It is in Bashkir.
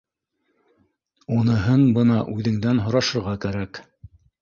— Уныһын бына үҙеңдән һорашырға кәрәк